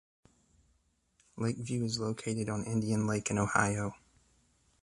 Lakeview is located on Indian Lake in Ohio.